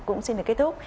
cũng xin được kết thúc